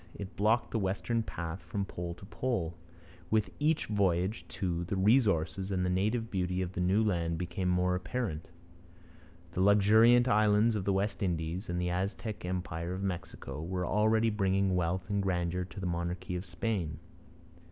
It blocked the westward path from pole to pole. With each voyage, too, the resources and the native beauty of the new land became more apparent. The luxuriant islands of the West Indies, and the Aztec empire of Mexico, were already bringing wealth and grandeur to the monarchy of Spain.